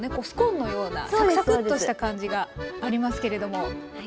スコーンのようなサクサクッとした感じがありますけれども。